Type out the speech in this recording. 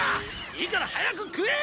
いいから早く食え！